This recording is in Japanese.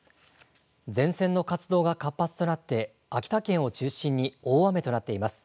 前線の活動が活発となって秋田県を中心に大雨となっています。